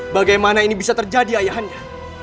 bagaimana ini bisa terjadi ayahnya